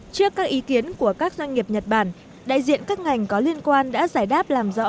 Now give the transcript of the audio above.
trước các ý kiến của các doanh nghiệp nhật bản đại diện các ngành có liên quan đã giải đáp làm rõ